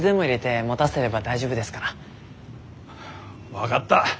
分がった。